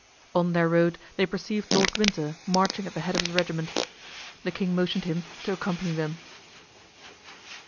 On their road they perceived Lord Winter marching at the head of his regiment. The king motioned him to accompany them.